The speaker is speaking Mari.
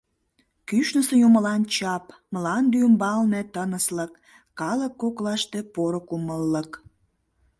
Кӱшнысӧ юмылан чап, мланде ӱмбалне тыныслык, калык коклаште поро кумыллык.